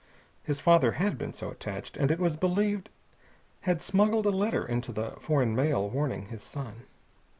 His father had been so attached, and it was believed had smuggled a letter into the foreign mail warning his son.